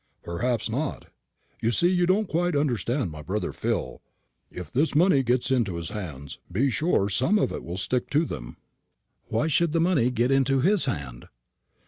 "Perhaps not. You see, you don't quite understand my brother Phil. If this money gets into his hands, be sure some of it will stick to them." "Why should the money get into his hand?"